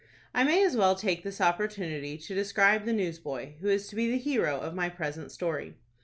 I may as well take this opportunity to describe the newsboy who is to be the hero of my present story.